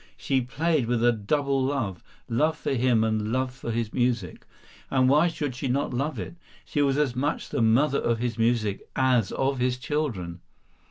She played with a double love—love for him and love for his music. And why should she not love it? She was as much the mother of his music as of his children.